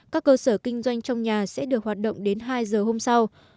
các cơ sở kinh doanh trong nhà sẽ được hoạt động đến hai giờ hôm sau